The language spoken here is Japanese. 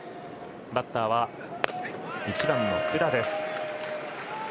バッターは１番の福田です。